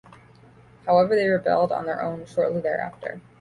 However, they rebelled on their own shortly thereafter.